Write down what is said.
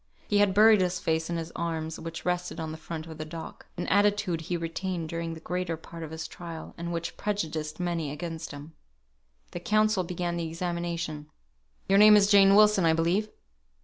He had buried his face in his arms, which rested on the front of the dock (an attitude he retained during the greater part of his trial, and which prejudiced many against him). The counsel began the examination. "Your name is Jane Wilson, I believe."